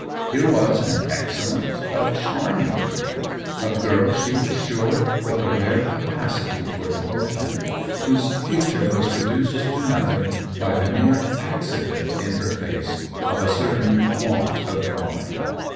Here was an excellent, a charming girl — a girl, she was sure, with a rare ca pacity for devotion — whose future was re duced to nothing by the mere accident, in her face, of a certain want of drawing.